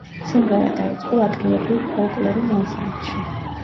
სიმღერა დაიწყო ადგილობრივ ფოლკლორულ ანსამბლში.